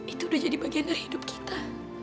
itu udah jadi bagian dari hidup kita